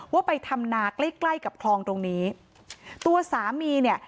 ว่าไปทำนาใกล้ใกล้กับคลองตรงนี้ตัวสามีเนี่ย